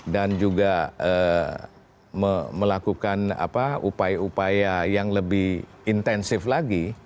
dan juga melakukan upaya upaya yang lebih intensif lagi